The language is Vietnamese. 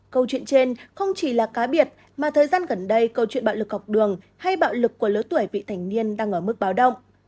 câu chuyện trên không chỉ là cá biệt mà thời gian gần đây câu chuyện bạo lực học đường hay bạo lực của lứa tuổi vị thành niên đang ở mức báo động